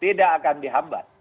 kita akan dihambat